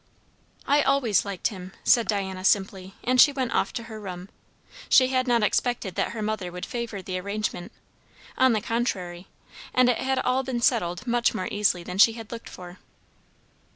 "I always liked him," said Diana simply; and she went off to her room. She had not expected that her mother would favour the arrangement; on the contrary; and it had all been settled much more easily than she had looked for.